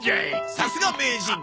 さすが名人！